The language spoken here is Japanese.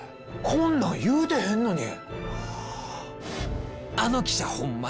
こんなん言うてへんのに！